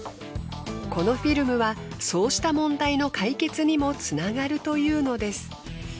このフィルムはそうした問題の解決にもつながるというのです。